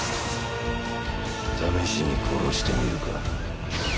試しに殺してみるか。